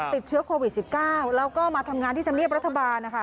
ติดเชื้อโควิด๑๙แล้วก็มาทำงานที่ธรรมเนียบรัฐบาลนะคะ